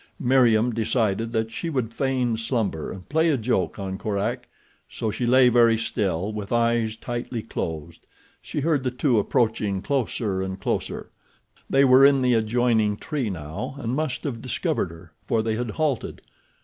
Meriem decided that she would feign slumber and play a joke on Korak. So she lay very still with eyes tightly closed. She heard the two approaching closer and closer. They were in the adjoining tree now and must have discovered her, for they had halted.